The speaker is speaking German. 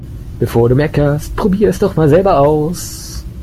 Bevor du meckerst, probier' es doch mal selber aus!